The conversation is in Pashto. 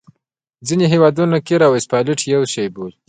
ځینې هیوادونه قیر او اسفالټ یو شی ګڼي